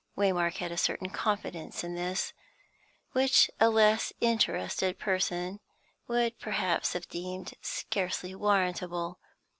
Waymark had a certain confidence in this, which a less interested person would perhaps have deemed scarcely warrantable.